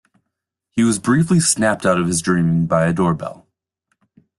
He was briefly snapped out of his dreaming by a door bell.